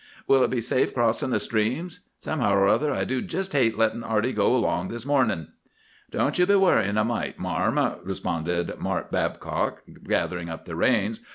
Will it be safe crossin' the streams? Somehow or other, I do jist hate lettin' Arty go along this mornin'!' "'Don't you be worryin' a mite, marm,' responded Mart Babcock, gathering up the reins.